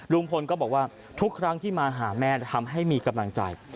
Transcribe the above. ลุงพลก็บอกว่าทุกครั้งที่มาหาแม่ทำให้มีกำลังใจ